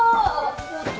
おっと。